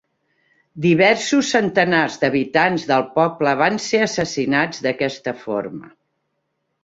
Diversos centenars d'habitants del poble van ser assassinats d'aquesta forma.